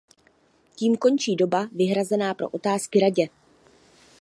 Tím končí doba vyhrazená pro otázky Radě.